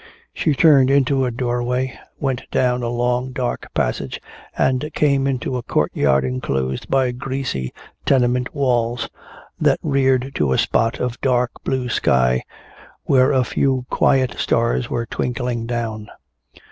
She turned into a doorway, went down a long dark passage and came into a court yard enclosed by greasy tenement walls that reared to a spot of dark blue sky where a few quiet stars were twinkling down.